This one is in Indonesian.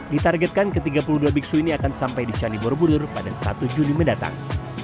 ditargetkan ke tiga puluh dua biksu ini akan sampai di candi borobudur pada satu juni mendatang